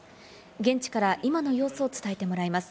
現地から今の様子を伝えてもらいます。